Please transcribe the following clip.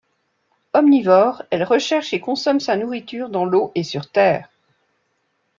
Omnivore, elle recherche et consomme sa nourriture dans l'eau et sur terre.